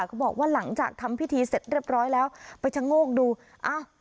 เขาบอกว่าหลังจากทำพิธีเสร็จเรียบร้อยแล้วไปชะโงกดูอ้าว